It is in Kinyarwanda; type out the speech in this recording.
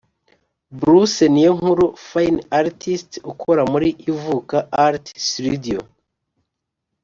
Bruce Niyonkuru(Fine Artist ukora muri Ivuka Art srudios)